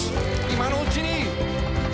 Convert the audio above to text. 今のうちに」